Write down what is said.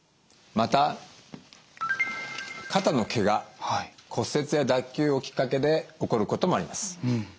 また肩のけが骨折や脱臼をきっかけで起こることもあります。